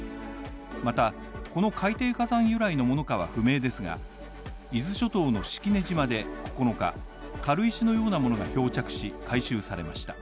また、この海底火山由来のものかは不明ですが、伊豆諸島の式根島で９日軽石のようなものが漂着し、回収されました。